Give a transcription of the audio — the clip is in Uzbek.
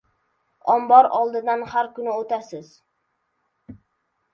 Ombor oldidan har kuni o‘tasiz.